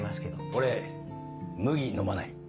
俺麦飲まない。